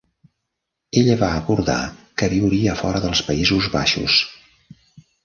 Ella va acordar que viuria fora dels Països Baixos.